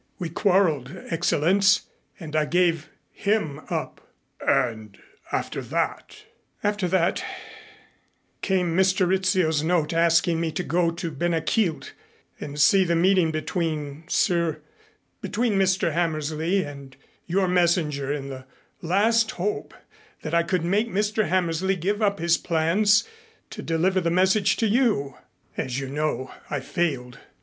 We quarreled, Excellenz, and I gave him up." "And after that " "After that came Mr. Rizzio's note asking me to go to Ben a Chielt and see the meeting between Cyr between Mr. Hammersley and your messenger in the last hope that I could make Mr. Hammersley give up his plans to deliver the message to you. As you know I failed.